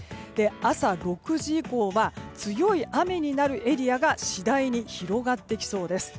朝、６時以降は強い雨になるエリアが次第に広がってきそうです。